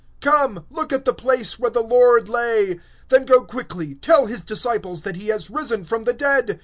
Come hither, see the place where the Lord lay. (7)And go quickly, and tell his disciples that he is risen from the dead.